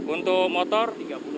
untuk motor tiga puluh